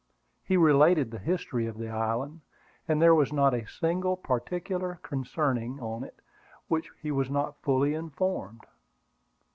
He related the history of the island, and there was not a single particular concerning it on which he was not fully informed.